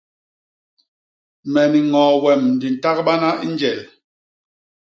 Me ni ñoo wem di ntagbana i njel.